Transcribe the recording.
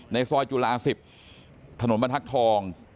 ซอยจุฬา๑๐ถนนบรรทักษ์ทอง